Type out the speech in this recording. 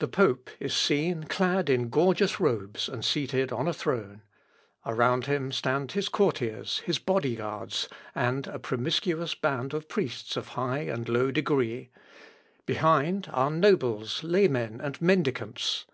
The pope is seen clad in gorgeous robes, and seated on a throne. Around him stand his courtiers, his body guards, and a promiscuous band of priests of high and low degree; behind are nobles, laymen, and mendicants.